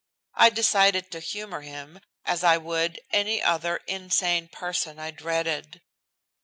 I decided to humor him as I would any other insane person I dreaded.